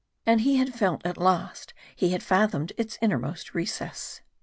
And he had felt at last he had fathomed its inmost recess.